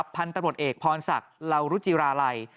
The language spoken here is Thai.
พันธุ์ตำรวจเอกพรศักดิ์ลาวรุจิราลัย